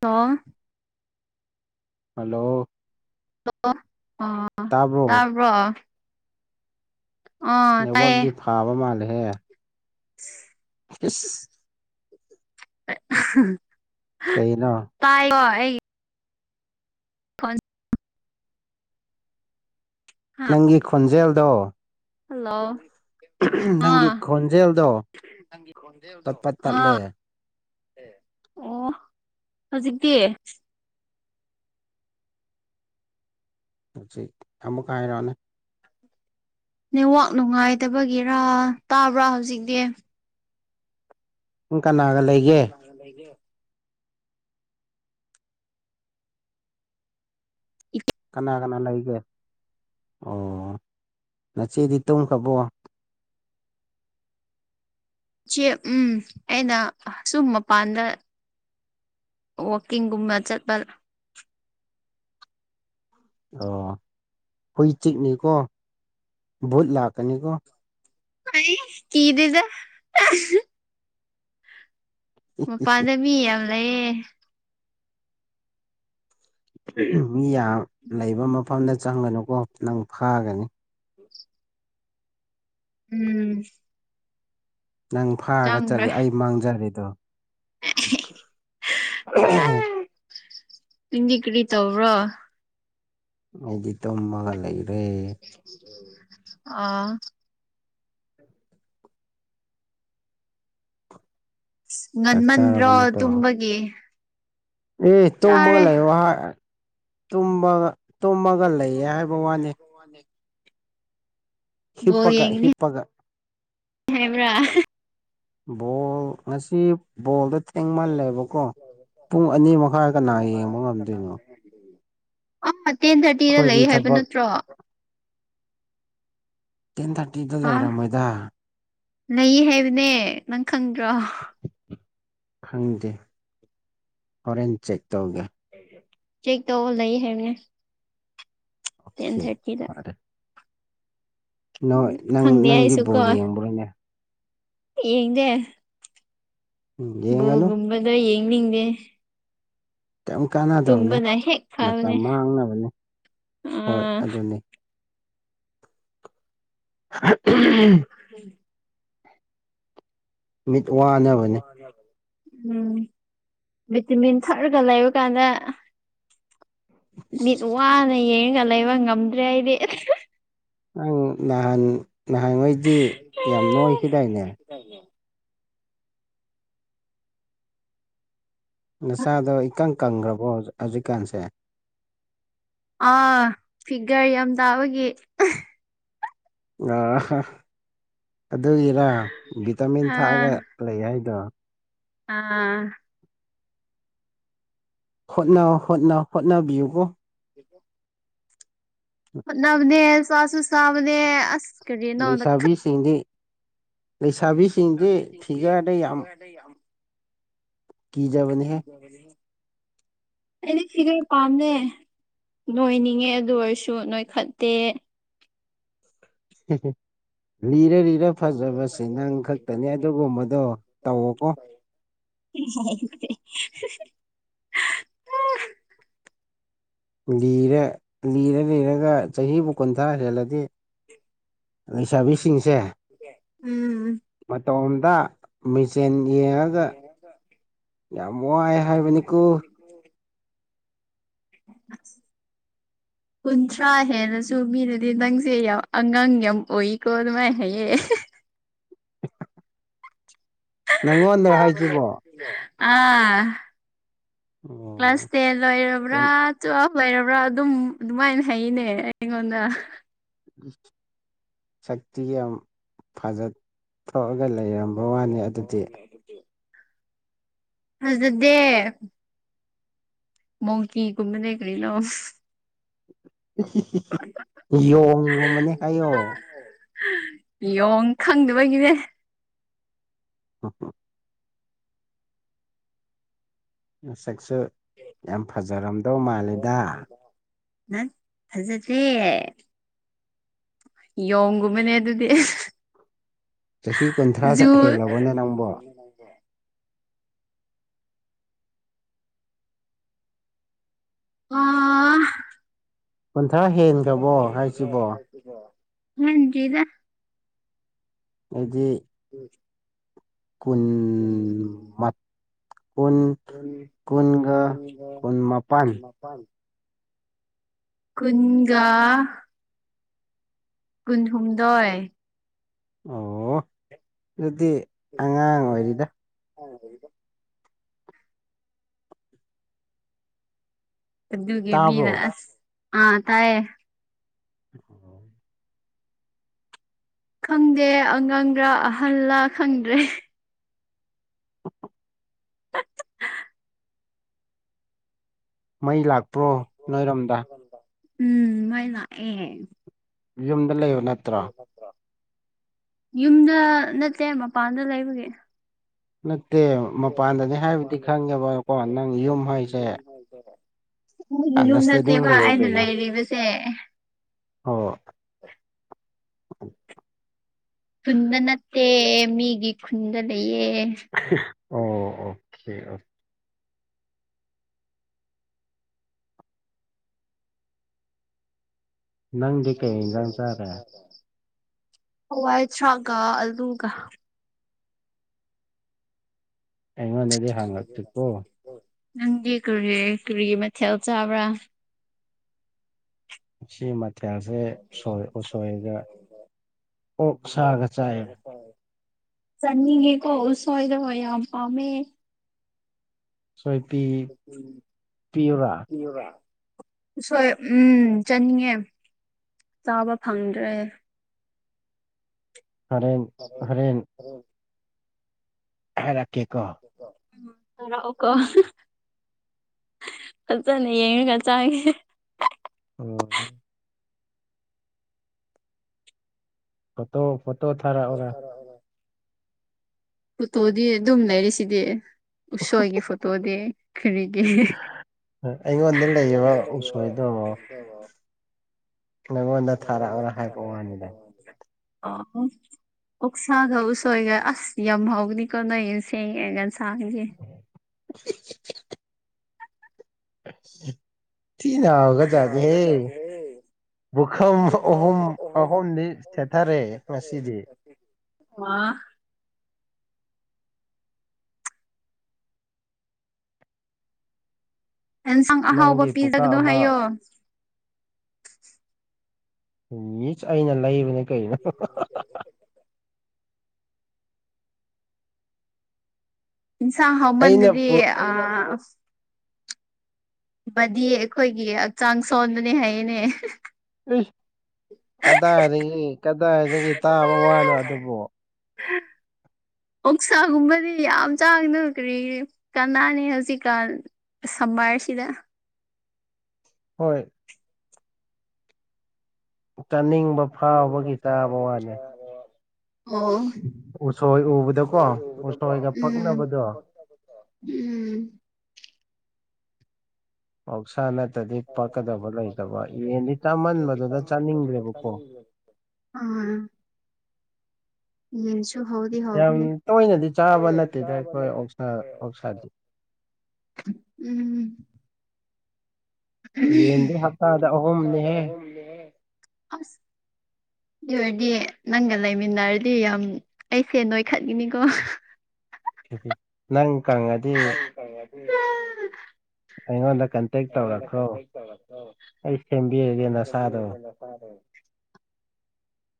ꯇ ꯍꯜꯂꯣ ꯍ ꯑ ꯇꯥꯕ꯭ꯔꯣ ꯇꯄ ꯅꯦꯠꯋꯥꯛꯗꯤ ꯐꯥꯕ ꯃꯥꯜꯂꯦꯍꯦ ꯎꯝ ꯑ ꯀꯩꯅꯣ ꯇꯥꯏ ꯑꯩ ꯍ ꯅꯪꯒꯤ ꯈꯣꯟꯖꯦꯜꯗꯣ ꯍꯜꯂꯣ ꯤꯦꯗꯣ ꯑꯣ ꯅꯪꯒꯤ ꯈꯣꯟꯖꯦꯜꯗꯣ ꯄꯠ ꯄꯠ ꯇꯠꯂꯦ ꯍꯧꯖꯤꯛꯇꯤ ꯍꯧꯖꯤꯛ ꯑꯃꯨꯛ ꯍꯥꯏꯔꯛꯑꯣꯅꯦ ꯅꯦꯋꯥꯛ ꯅꯨꯡꯉꯥꯏꯗꯕꯒꯤꯔꯥ ꯇꯥꯕ꯭ꯔꯥ ꯍꯧꯖꯤꯛꯇꯤ ꯑꯣꯀꯅ ꯂꯒ ꯂꯩ ꯂꯩꯒꯦ ꯀꯅꯥ ꯀꯅꯥ ꯂꯩꯒꯦ ꯑꯣ ꯅ ꯆꯦꯇ ꯀꯕꯨꯣ ꯆꯦ ꯎꯝ ꯑꯩꯅ ꯁꯨꯝ ꯃꯄꯥꯟꯗ ꯋꯥꯋꯀꯤꯡꯒꯨꯝꯕ ꯆꯠꯄ ꯑꯣ ꯍꯨꯏ ꯆꯤꯛꯅꯤꯀꯣ ꯚꯨꯠ ꯂꯥꯛꯀꯅꯤꯀꯣ ꯑꯩ ꯀꯗꯨꯖ ꯃꯄꯥꯥꯟꯗꯕꯤ ꯌꯥꯝ ꯂꯩꯌꯦꯦ ꯃꯤ ꯌꯥꯝ ꯂꯩꯕ ꯃꯐꯝꯗ ꯆꯪꯒꯅꯨꯀꯣ ꯅꯪ ꯐꯥꯒꯅꯤ ꯎ ꯎꯝ ꯅꯪ ꯐꯥꯔꯒ ꯆꯪꯈ꯭ꯔꯦ ꯆꯠꯂꯦ ꯑꯩ ꯃꯥꯡꯖꯔꯦꯗꯣ [unintelligible] [inaudible] ꯍꯗꯤ ꯀꯔꯤ ꯇꯕ꯭ꯔꯥ ꯑꯩꯗꯤ ꯇꯨꯝꯃꯒ ꯂꯩꯔꯦ ꯑꯥ ꯆꯥꯛ ꯆꯥꯔꯕ ꯉꯟꯃꯟ꯭ꯔꯣ ꯅꯠꯇ꯭ꯔꯣ ꯇꯨꯝꯃꯒꯤꯦ ꯑꯦ ꯇꯨꯝꯃꯒ ꯂꯩꯥꯛ ꯇꯨꯝꯕꯒ ꯇꯨꯝꯃꯒ ꯂꯩꯌꯦ ꯍꯥꯏꯕ ꯋꯥꯅꯤ ꯍꯤꯞꯄꯒ ꯍꯤꯞꯄꯒ ꯍꯦꯕ꯭ꯔꯥ ꯃꯁꯤꯁꯤ ꯕꯣꯜꯗ ꯏꯪꯃꯜꯂꯦꯕꯀꯣ ꯄꯨꯡ ꯑꯅꯤ ꯃꯈꯥꯏ ꯀꯅꯥ ꯌꯦꯡꯕ ꯉꯝꯗꯣꯏꯅꯣ ꯑꯥ ꯇꯦꯟ ꯊꯥꯔꯇꯤꯗ ꯂꯩ ꯑꯩꯈꯣꯏꯗꯤ ꯍꯥꯏꯕ ꯊꯕꯛ ꯅꯠꯇ꯭ꯔꯣ ꯇꯦꯟ ꯊꯥꯔꯇꯤꯗ ꯑꯥ ꯂꯩꯔꯝꯃꯣꯏꯗ ꯂꯩ ꯍꯥꯏꯕꯅꯦ ꯅꯪ ꯈꯪꯗ꯭ꯔꯣ ꯈꯪꯗꯦ ꯍꯣꯔꯦꯟ ꯆꯦꯛ ꯇꯧꯒꯦ ꯆꯦꯛꯦꯛ ꯇ ꯂꯩꯏ ꯍꯥꯏꯦꯅꯦ ꯇꯦꯟ ꯑꯣꯀꯦ ꯊꯔꯇꯤꯗ ꯐꯔꯦ ꯅꯣꯏ ꯅꯪ ꯈꯪꯗꯦ ꯅꯪꯗꯤ ꯕꯣꯜ ꯌꯦꯡꯕ꯭ꯔꯣꯅꯦ ꯌꯦꯗꯦ ꯎꯝ ꯌꯦꯡꯒꯅꯨ ꯒꯝꯕꯗ ꯌꯦꯡꯅꯤꯦ ꯈꯤ ꯀꯥꯟꯅꯗꯕꯅꯤ ꯍꯦꯛ ꯃꯇꯝ ꯐꯕꯅꯦ ꯃꯥꯡꯅꯕꯅꯤ ꯍꯣꯏ ꯑꯥ ꯑꯗꯨꯅꯤ [unintelligible] ꯎꯝ ꯃꯤꯠ ꯋꯥꯅꯕꯅꯤ ꯎꯝ ꯚꯇꯃꯤꯟ ꯊꯔꯒ ꯂꯩꯕ ꯀꯥꯟꯅ ꯃꯤꯠ ꯋꯥꯅ ꯌꯦꯡꯉꯒ ꯂꯩꯕ ꯉꯝꯗ꯭ꯔꯦ ꯑꯩꯗꯤ ꯅꯪ ꯅꯍꯥꯟ ꯅꯍꯥꯟꯈꯩꯗꯤ ꯌꯥꯝ ꯅꯣꯏꯈꯤꯗꯥꯏꯅꯦ ꯅꯆꯥꯗꯣ ꯏꯀꯪ ꯀꯪꯈ꯭ꯔꯕꯣ ꯍꯧꯖꯤꯛꯀꯥꯟꯁꯦ ꯑꯥ ꯐꯤꯒꯔ ꯌꯥꯝ ꯇꯥꯕꯒꯤ ꯑ ꯑꯗꯨꯒꯤꯔꯥ ꯚꯇꯥꯃꯤꯟ ꯑꯥ ꯊꯥꯛꯑꯒ ꯂꯩ ꯍꯥꯏꯗꯣ ꯑꯥ ꯍꯣꯠꯅ ꯍꯣꯠꯅ ꯍꯣꯠꯅꯕꯤꯌꯨꯕ [unintelligible] ꯅꯕꯅꯦ ꯁꯥꯋꯥꯁꯨꯁꯕꯅꯦ ꯑ ꯂꯩꯁꯥꯕꯤꯁꯤꯡꯗꯤ ꯂꯩꯁꯥꯕꯤꯁꯤꯡꯗꯤ ꯊꯤꯒꯅ ꯌꯥꯝ ꯀꯖꯕꯅꯤꯍ ꯑꯗꯤ ꯁꯤꯒ ꯄꯥꯝꯅꯦ ꯅꯣꯏꯅꯤꯡꯉꯦ ꯑꯗꯨ ꯑꯣꯏꯔꯁꯨ ꯅꯣꯏꯈꯠꯇꯦ [unintelligible] ꯍꯔ ꯂꯤꯔ ꯐꯖꯁ ꯅꯪ ꯈꯛꯇꯅꯤ ꯑꯗꯨꯕꯨ ꯃꯗꯣ ꯇꯧꯋꯀꯣ [unintelligible] ꯂꯤꯔ ꯂꯤꯔ ꯂꯤꯔꯒ ꯆꯍꯤꯕꯨ ꯀꯨꯟꯊ꯭ꯔꯥ ꯍꯦꯜꯂꯗꯤ ꯂꯩꯁꯥꯕꯤꯁꯤꯡꯁꯦ ꯎꯝ ꯇꯣꯝꯗ ꯃꯤ ꯁꯦꯟ ꯌꯦꯡꯉꯒ ꯌꯥꯝ ꯋꯥꯏ ꯍꯥꯏꯕꯅꯤꯀꯣ [unintelligible] ꯀꯨꯟꯊ꯭ꯔꯥ ꯍꯦꯜꯂꯁꯨ ꯃꯤꯅꯗꯤ ꯅꯪꯁꯦ ꯌꯥꯝ ꯑꯉꯥꯡ ꯌꯥꯝ ꯑꯣꯏꯏꯀꯣ ꯑꯗꯨꯃꯥꯏꯅ ꯍꯥꯏꯌꯦ [unintelligible] ꯅꯪꯉꯣꯟꯗꯔ ꯍꯥꯏꯁꯤꯕꯣ [unintelligible] ꯑꯥ ꯀ꯭ꯂꯥꯁ ꯑꯣ ꯇꯦꯟ ꯂꯣꯏꯔꯕ꯭ꯔꯥ ꯇꯨꯋꯦꯜ ꯂꯩꯔꯕ꯭ꯔꯥ ꯑꯗꯨꯝ ꯑꯗꯨꯃꯥꯏꯅ ꯍꯅꯦ ꯑꯩꯉꯣꯟꯗ ꯁꯛꯇꯤꯒꯤ ꯌꯥꯝ ꯐꯖꯠ ꯊꯣꯛꯑꯒ ꯂꯩꯔꯝꯕ ꯋꯥꯅꯤ ꯑꯗꯨꯗꯤ ꯐꯖꯗꯦ ꯃꯣꯡꯀꯤ ꯒꯨꯝꯕꯅꯦ ꯀꯔꯤꯅ‌ꯣ [unintelligible] ꯌꯣꯡꯒꯨꯝꯕꯅꯤ ꯍꯥꯏꯌꯣ ꯌ‌ꯣꯡ ꯈꯪꯗꯕꯒꯤꯅꯦ ꯑ ꯍ ꯃꯁꯛꯁꯨ ꯌꯥꯝ ꯐꯖꯔꯝꯗꯧ ꯃꯥꯜꯂꯤꯗ ꯅ ꯐꯖꯗꯦ ꯌꯣꯡꯒꯨꯝꯕꯅꯦ ꯑꯗꯨꯗꯤ ꯆꯍꯤ ꯀꯨꯟꯊ꯭ꯔꯥ ꯨꯖꯨ ꯍꯦꯜꯂꯕꯅꯦ ꯅꯪꯕꯣ [unintelligible] ꯑ ꯀꯨꯟꯊ꯭ꯔꯥ ꯍꯦꯟꯈ꯭ꯔꯕꯣ ꯍꯥꯏꯁꯤꯕꯣ ꯈꯪꯗ‌ꯦꯗ ꯑꯗꯨꯗꯤ [unintelligible] ꯀꯨꯟ ꯃꯥ ꯀꯨꯟ ꯀꯨꯟꯒ ꯀꯨꯟꯃꯄꯥꯜ ꯀꯨꯟꯒ ꯀꯨꯟꯍꯨꯝꯗꯣꯏ ꯑꯣ ꯑꯗꯨꯗꯤ ꯑꯉꯥꯡ ꯑꯣꯏꯔꯤꯗ ꯑꯗ ꯒꯤ ꯇꯥꯕ꯭ꯔꯣ ꯃꯤꯅ ꯑꯁ ꯑꯥ ꯇꯥꯏꯌꯦ ꯍ ꯈꯪꯗꯦ ꯑꯉꯥꯡꯒꯥ ꯑꯍꯜꯂꯥ ꯈꯪꯗ꯭ꯔꯦ [unintelligible] ꯃꯩ ꯂꯥꯛꯄ꯭ꯔꯣ ꯅꯣꯏꯔꯣꯝꯗꯥ ꯎꯝ ꯃꯩ ꯂꯥꯛꯑꯦ ꯌꯨꯝꯗ ꯂꯩꯕ ꯅꯠꯇ꯭ꯔꯣ ꯌꯨꯝꯗ ꯅꯠꯇꯦ ꯃꯄꯥꯟꯗ ꯂꯩꯕꯒꯤ ꯅꯠꯇꯦ ꯃꯄꯥꯟꯗꯅꯤ ꯍꯥꯏꯕꯗꯤ ꯈꯪꯉꯦꯕꯀꯣ ꯅꯪ ꯌꯨꯝ ꯍꯥꯏꯁꯦ ꯑꯩꯒꯤ ꯌꯨꯝ ꯑꯟꯗꯔꯁꯇꯦꯟꯗꯤꯡ ꯅꯠꯇꯦꯕ ꯂꯩꯌꯣ ꯑꯩꯅ ꯀꯩꯅꯣ ꯂꯩꯔꯤꯕꯁꯦ ꯑꯣ [unintelligible] ꯈꯨꯟꯗꯅꯠꯇꯦ ꯃꯤꯒꯤ ꯈꯨꯟꯗ ꯂꯩꯌ‌ꯦ ꯑꯣ ꯑꯣ ꯑꯣ ꯅꯪꯗꯤ ꯀꯩ ꯏꯟꯖꯥꯡ ꯆꯥꯔꯦ ꯍꯥꯋꯥꯏꯊ꯭ꯔꯥꯛꯀ ꯑꯜꯂꯨꯒ ꯑꯩꯉꯣꯟꯗꯗꯤ ꯍꯪꯉꯛꯇꯦꯀꯣ [unintelligible] ꯅꯪꯗꯤ ꯀꯔꯤ ꯀꯔꯤ ꯃꯊꯦꯜ ꯆꯥꯕ꯭ꯔꯥ ꯁꯤꯃ ꯊ‌ꯦꯜꯁ‌ꯦ ꯎꯁꯣꯏꯒ ꯑꯣꯛ ꯁꯥꯒ ꯆꯥꯏꯌꯦꯕ ꯆꯅꯤꯡꯉ‌ꯦꯀꯣ ꯎꯁ‌ꯣꯏꯗ‌ꯣ ꯍ‌ꯣꯏ ꯌꯥꯝ ꯄꯥꯝꯃꯦ ꯁꯣꯏꯄꯤ ꯄꯤꯌꯣꯔꯥ ꯁꯣꯏ ꯎꯝ ꯆꯠꯅꯤꯡꯉꯦ ꯆꯥꯕ ꯐꯪꯗ꯭ꯔꯦ ꯍꯔꯦꯟ ꯍꯔꯦꯟ ꯊꯥꯔꯛꯀ‌ꯦꯀ‌ꯣ ꯎꯝ ꯊꯔꯥꯛꯑ‌ꯣꯀ‌ꯣ ꯐꯖꯅ ꯌꯦꯡꯉꯒ ꯆꯥꯒ‌ꯦ ꯑ ꯐꯣꯇꯣ ꯐꯣꯇꯣ ꯊꯥꯔꯥ ꯑꯣꯔ ꯐꯣꯇꯣꯗꯤ ꯑꯗꯨꯝ ꯂꯩꯔꯤꯁꯤꯗꯤ ꯎꯁꯣꯏꯒꯤ ꯐꯣꯇꯣꯗꯤ ꯀꯔꯤꯒꯤ ꯑꯩꯉꯣꯟꯗ ꯂꯩꯔꯤꯕ ꯎꯁꯣꯏꯗꯃꯣ ꯅꯉꯣꯟꯗ ꯊꯥꯔꯛꯑꯔ ꯍꯥꯏꯕ ꯋꯥꯅꯤꯗ ꯑꯣ ꯑꯣꯛꯁꯥꯒ ꯎꯁꯣꯏꯒ ꯑꯁ ꯌꯥꯝꯍꯥꯎꯒꯅꯤꯀꯣ ꯅꯣꯏ ꯁꯦꯡꯉ ꯉ ꯊꯥꯡꯒꯦ ꯇꯅꯥꯎꯒ ꯆꯥꯅꯤ ꯍꯦ ꯄꯨꯕꯨꯈꯝ ꯑꯍꯨꯝ ꯑꯍꯨꯝꯗꯤ ꯁꯦꯊꯔꯦ ꯉꯁꯤꯗꯤ ꯑ ꯑꯦꯟꯁꯪ ꯑꯍꯥꯎꯕ ꯅꯪꯒꯤ ꯄꯨꯀꯥ ꯄꯤꯗꯒꯗꯣ ꯑꯃ ꯍꯥꯏꯌꯣ ꯃꯤꯁ ꯑꯩꯅ ꯂꯩꯕꯅꯦ ꯀꯩꯅꯣ ꯏꯟꯁꯥ ꯑꯩꯅ ꯍꯃꯥꯟꯗꯗꯤ ꯄꯨ ꯑ ꯗꯤ ꯑꯩꯈꯣꯏꯒꯤ ꯍꯛꯆꯥꯡ ꯁꯣꯟꯕꯅꯦ ꯍꯌꯦꯅꯦ ꯀꯗꯥꯏꯔꯤ ꯀꯗꯥꯏꯔꯤ ꯇꯥꯕ ꯋꯥꯅꯣ ꯑꯗꯨꯕꯨ [unintelligible] ꯑꯣꯛꯁꯥꯒꯨꯝꯕꯗꯤ ꯌꯥꯝ ꯆꯥꯡꯅ ꯀ꯭ꯔꯤ ꯀꯅꯥꯅꯤ ꯍꯧꯖꯤꯛꯀꯥꯟ ꯁꯚꯥꯁꯤꯗ ꯍꯣꯏ ꯆꯥꯅꯤꯡꯕ ꯐꯥꯎꯕꯒꯤ ꯇꯥꯕ ꯋꯥꯅꯦ ꯎꯁꯣꯏ ꯎꯕꯗꯀꯣ ꯕꯗꯀꯣ ꯎꯁꯣꯏꯒ ꯄꯛꯅꯕꯗꯣ [unintelligible] ꯎꯝ ꯑꯧꯁꯥ ꯅ ꯎꯝ ꯆꯥꯃꯟꯕꯗꯨꯗ ꯆꯥꯅꯤꯡꯗ꯭ꯔꯦꯕꯀꯣ ꯎꯝ ꯌꯦ ꯌꯥꯝ ꯇꯣꯏꯅꯗꯤ ꯆꯥꯕ ꯅꯠꯇꯦꯗ ꯑꯩꯈꯣꯏꯁꯥ ꯑꯣꯛꯁꯥꯗꯤ ꯎꯝ ꯌꯦꯟꯗꯤ ꯍꯞꯇꯥꯗ ꯁꯗ ꯍ ꯑꯍꯨꯝꯅꯤꯍꯦ [unintelligible] ꯑꯗꯨꯔꯗꯤ ꯅꯪꯒ ꯂꯩꯃꯤꯟꯅꯔꯗꯤ ꯌꯥꯝ ꯑꯩꯁꯦ ꯅꯣꯏꯈꯠꯈꯤꯅꯤꯀꯣ [unintelligible] ꯅꯪ ꯀꯪꯉꯗꯤ ꯎ [inaudible] ꯑꯩꯉꯣꯟꯗ ꯀꯟꯇꯦꯛ ꯇꯧꯔꯛꯈ꯭ꯔꯣ ꯑꯩ ꯁꯦꯝꯕꯤꯔꯒꯦ ꯅꯁꯥꯗꯣ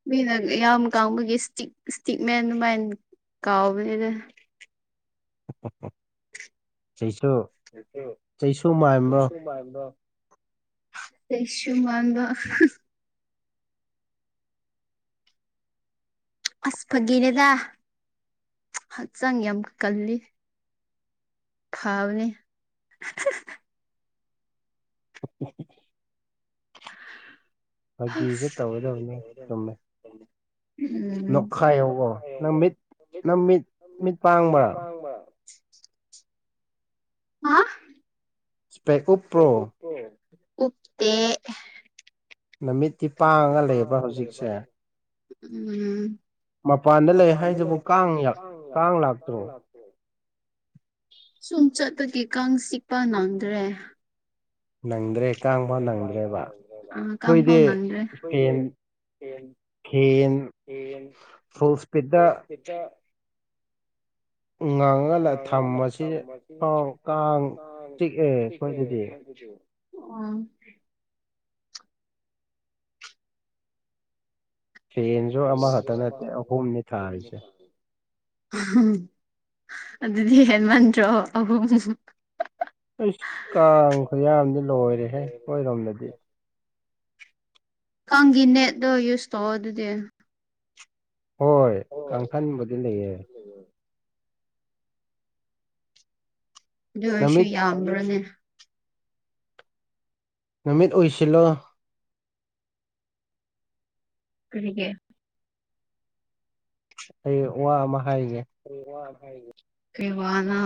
ꯃꯤꯅ ꯌꯥꯝ ꯀꯕꯒꯤ ꯏꯁꯇꯤꯛ ꯏꯁꯇꯤꯛ ꯃꯦꯟ ꯑꯗꯨꯃꯥꯏꯅ ꯀꯥꯎꯕꯅꯦ ꯎ ꯆꯩꯁꯨ ꯆꯩꯁꯨ ꯃꯥꯏꯕ꯭ꯔꯣ ꯇꯩꯁꯨ ꯋꯥꯝꯕ ꯑꯁ ꯐꯥꯒꯤꯅꯦꯗ ꯍꯛꯆꯥꯡ ꯌꯥꯝ ꯀꯜꯂꯤ ꯐꯥꯎꯅꯤ [unintelligible] ꯐꯥꯒꯤꯁꯨ ꯗꯤ ꯇꯧꯒꯗꯕꯅꯤ ꯇꯔ ꯆꯨꯝꯃꯦ [unintelligible] ꯅꯣꯛꯈꯥꯏꯌꯣꯀꯣ ꯃꯈꯥꯏ ꯅꯪ ꯃꯤꯠ ꯌꯅꯃꯤꯠ ꯅꯪ ꯃꯤꯠ ꯃꯤꯠ ꯄꯥꯡꯕ꯭ꯔꯥ ꯄꯥꯡꯕ [unintelligible] ꯍꯥ ꯏꯁ꯭ꯄꯦꯛꯀꯞ ꯄ꯭ꯔꯣ ꯎꯞꯇꯦ ꯅꯨꯃꯤꯠꯇꯤ ꯄꯥꯡꯉꯒ ꯂꯩꯕ꯭ꯔꯥ ꯍꯧꯖꯤꯛꯁꯦ ꯎꯝ ꯃꯄꯥꯟꯗ ꯂꯩ ꯍꯥꯏꯗꯨꯕꯨ ꯀꯥꯡ ꯂꯥꯛꯇ꯭ꯔꯣ ꯁꯨꯝ ꯆꯠꯂꯒꯦ ꯀꯥꯡ ꯆꯤꯛꯄ ꯅꯪꯗ꯭ꯔꯦ ꯅꯪꯗ꯭ꯔꯦ ꯀꯥꯡꯕ ꯅꯪꯗ꯭ꯔꯦꯕ ꯑꯥ ꯀꯥꯡ ꯐꯥꯎ ꯑꯩꯈꯣꯏꯗꯤ ꯅꯪꯗ꯭ꯔꯦ ꯏꯁꯄꯦꯟ ꯈ ꯟ ꯍꯠꯇ ꯉꯪꯉꯒ ꯂ- ꯉ ꯊꯝꯃꯁꯤ ꯊꯝꯝꯕꯁꯤ ꯐꯥꯎ ꯇ ꯀꯥꯡ ꯆꯤꯛꯑꯦ ꯑꯩꯈꯣꯏꯗꯗꯤ ꯑꯣ ꯐꯦꯟꯁꯨ ꯑꯃꯈꯛꯇ ꯅꯠꯇꯦ ꯑꯍꯨꯝꯅꯤ ꯊꯥꯔꯤꯁꯦ ꯎꯝ ꯑꯗꯨꯗꯤ ꯍꯦꯟꯃꯟꯗ꯭ꯔꯣ ꯑꯍꯨꯝ ꯑꯩꯁ ꯀꯥꯡ ꯈꯨꯌꯥꯗꯤ ꯂꯣꯏꯔꯦꯍꯦ ꯑꯩꯣꯏꯔꯣꯝꯗꯗꯤ ꯀꯥꯡꯒꯤ ꯅꯦꯠꯗꯣ ꯌꯨꯁ ꯇꯧꯑꯣ ꯑꯗꯨꯗꯤ ꯍꯣꯏ ꯀꯥꯡꯈꯟꯕꯨꯗꯤ ꯂꯩꯌꯦꯦ ꯑꯗꯨꯁꯨ ꯅꯨꯃꯤꯠ ꯌꯥꯝꯕ꯭ꯔꯅꯦ ꯅꯨꯃꯤꯠ ꯑꯣꯏꯁꯤꯂꯣ ꯀꯔꯤꯒꯦ ꯑꯩ ꯋꯥ ꯑꯃ ꯍꯥꯏꯒꯦ ꯀꯩ ꯋꯥꯅ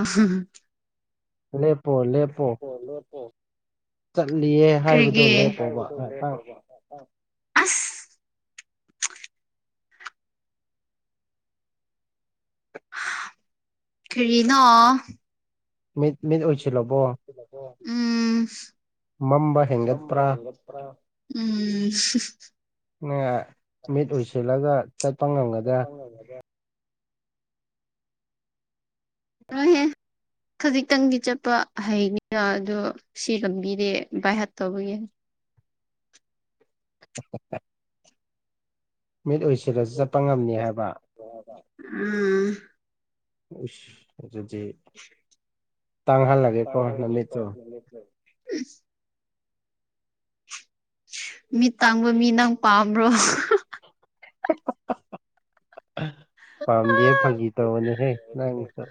ꯃ ꯂꯄꯣ ꯂꯣꯄꯣ ꯆꯠꯂꯤꯌꯦ ꯍꯥꯏꯕꯗꯣ ꯂꯦꯞꯄꯣꯕ ꯉꯥꯏꯍꯥꯛꯇꯪ ꯗꯦꯕ ꯑꯁ ꯀꯔꯤꯅ ꯃꯤ ꯃꯤꯠ ꯑꯣꯏꯁꯤꯜꯂꯣꯕꯣ ꯎꯝ ꯃꯝꯕ ꯍꯦꯟꯒꯠꯄ꯭ꯔꯥ ꯎꯝ ꯅ ꯃꯤꯠ ꯎꯁꯤꯜꯂꯒ ꯆꯠꯄ ꯉꯝꯒꯗ꯭ꯔꯥ ꯑꯍꯦ ꯈꯖꯤꯛꯇꯪꯗꯤ ꯆꯠꯄ ꯍꯩꯅꯤꯅ ꯑꯗꯣ ꯁꯤ ꯂꯝꯝꯕꯤꯔꯦ ꯕꯥꯏ ꯍꯥꯞ ꯇꯧꯕꯒꯤ [inaudible] ꯃꯤꯠ ꯎꯁꯤꯜꯂꯁꯨ ꯆꯠꯄ ꯉꯝꯅꯤ ꯍꯥꯏꯕ ꯎꯝ ꯎꯁ ꯑꯗꯨꯗꯤ ꯇꯥꯡꯍꯜꯂꯒꯦꯀꯣ ꯅꯨꯃꯤꯠꯇꯣ ꯎꯝ ꯃꯤ ꯇꯥꯡꯕ ꯃꯤ ꯅꯪ ꯄꯥꯝꯕ꯭ꯔꯣ [inaudible] ꯄꯥꯝꯗꯤꯍꯦ ꯐꯥꯒꯤ ꯇꯧꯧꯕꯅꯦꯍꯦ ꯅꯪꯁꯨ